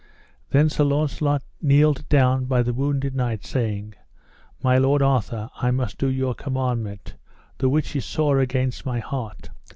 Then Sir Launcelot kneeled down by the wounded knight saying: My lord Arthur, I must do your commandment, the which is sore against my heart.